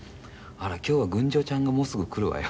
「あら、今日は群青ちゃんがもうすぐ来るわよ」